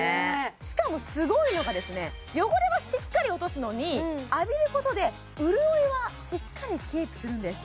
しかもすごいのが汚れはしっかり落とすのに浴びることで潤いはしっかりキープするんです